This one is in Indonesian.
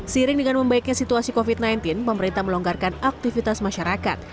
seiring dengan membaiknya situasi covid sembilan belas pemerintah melonggarkan aktivitas masyarakat